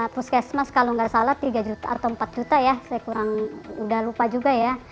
puskesmas kalau nggak salah tiga juta atau empat juta ya saya kurang udah lupa juga ya